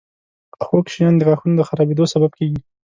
• خوږ شیان د غاښونو د خرابېدو سبب کیږي.